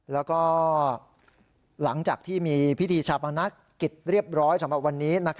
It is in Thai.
แล้วก็หลังจากที่มีพิธีชาปนกิจเรียบร้อยสำหรับวันนี้